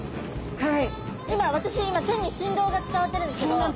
はい。